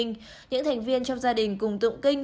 những thành viên trong gia đình cùng tụng kinh